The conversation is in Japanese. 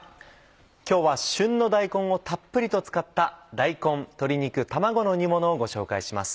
今日は旬の大根をたっぷりと使った「大根鶏肉卵の煮もの」をご紹介します。